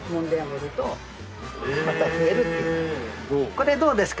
これどうですか？